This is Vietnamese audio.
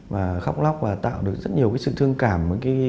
và khóc lóc và tạo được rất nhiều cái sự thương cảm